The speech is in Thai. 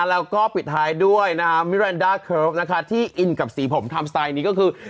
แล้วก็ปิดท้ายด้วยนะฮะมิรันดาเคิร์ฟนะคะที่อินกับสีผมทำสไตล์นี้ก็คือ